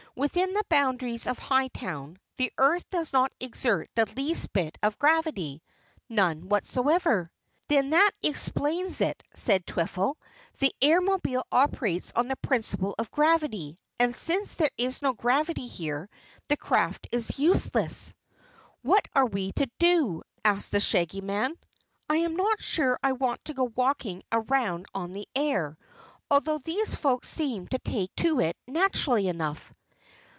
"Within the boundaries of Hightown, the earth does not exert the least bit of gravity none whatsoever." "Then that explains it," said Twiffle. "The Airmobile operates on the principle of gravity, and since there is no gravity here, the craft is useless." "What are we to do?" asked the Shaggy Man. "I am not sure I want to go walking around on the air, although these folks seem to take to it naturally enough."